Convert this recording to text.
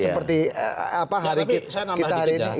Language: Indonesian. seperti hari kita hari ini